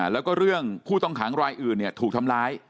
แล้วก็เรื่องผู้ต้องขังรายอื่นถูกทำร้าย